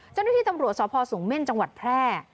เจ้าหน้าที่ตำรวจสพสูงเม่นจังหวัดแพร่